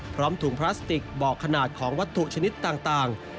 พร้อมถุงพลาสติกบอกขนาดของวัตถุชนิดต่าง